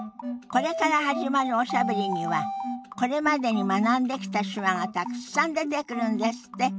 これから始まるおしゃべりにはこれまでに学んできた手話がたくさん出てくるんですって。